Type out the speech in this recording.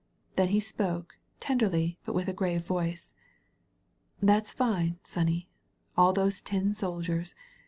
Then he spoke, tenderly, but with a grave voice. "That's fine, sonny — ^all those tin soldiers.